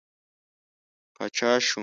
پاچا شو.